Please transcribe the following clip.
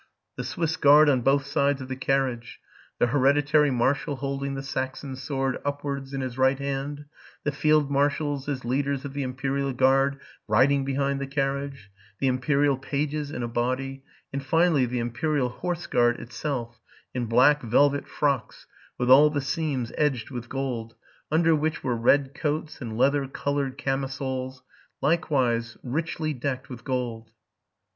The Swiss guard on both sides of the carriage ; the hereditary marshal holding the Saxon sword upwards in his right hand ; the field marshals, as leaders of the imperial g guard, riding behind the carriage ; the imperial pages in a body :; and, finally, the impe rial horse guard (Hatschiergarde) itself, in black velvet frocks (Pligelr ick), with all the seams edged with gold, under which were red coats and leather colored camisoles, likewise richly decked with gold.